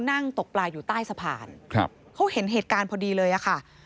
นั่งตกปลาอยู่ใต้สะพานครับเขาเห็นเหตุการณ์พอดีเลยอะค่ะ